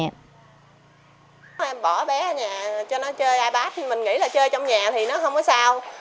em bỏ bé ở nhà cho nó chơi ipad mình nghĩ là chơi trong nhà thì nó không có sao